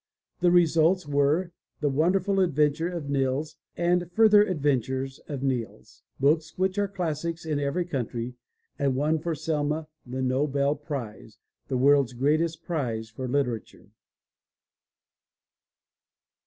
The results were The Wonderjul Adventures of Nils and Further Adven tures of NilSy books which are classics in every country, and won for Selma the Nobel prize, the world's greatest prize for literature.